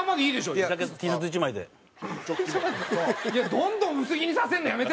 どんどん薄着にさせるのやめて！